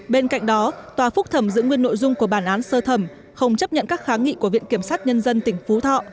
bên cạnh đó tòa phúc thẩm giữ nguyên nội dung của bản án sơ thẩm không chấp nhận các kháng nghị của viện kiểm sát nhân dân tỉnh phú thọ